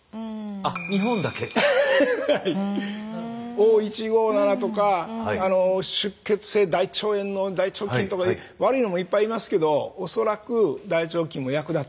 Ｏ−１５７とか出血性大腸炎の大腸菌とか悪いのもいっぱいいますけど恐らく大腸菌も役立ってる。